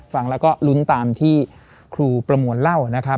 ฟังแล้วก็ลุ้นตามที่ครูประมวลเล่านะครับ